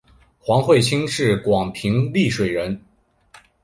黄晦卿是广平丽水人。